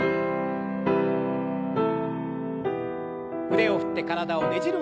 腕を振って体をねじる運動です。